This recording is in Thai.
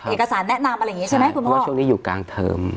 เอกสารแนะนำอะไรอย่างนี้ใช่ไหมคุณพ่อเพราะว่าช่วงนี้อยู่กลางเทอม